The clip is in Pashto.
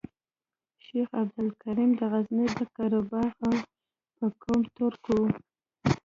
شیخ عبدالکریم د غزني د قره باغ او په قوم ترک وو.